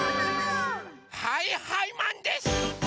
はいはいマンです！